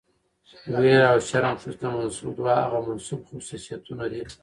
ويره او شرم ښځو ته منسوب دوه هغه منسوب خصوصيتونه دي،